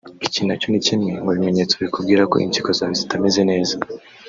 Iki nacyo ni kimwe mu bimenyetso bikubwira ko impyiko zawe zitameze neza